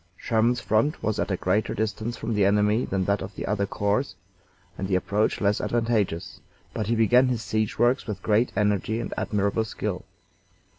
Sherman's front was at a greater distance from the enemy than that of any other corps, and the approach less advantageous, but he began his siege works with great energy and admirable skill.